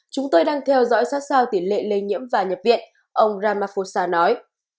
chúng tôi đang theo dõi sát sao tỷ lệ lây nhiễm và nhập viện ông ramaphosa nói